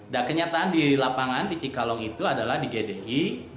dan kenyataan di lapangan di cikalong itu adalah di gdi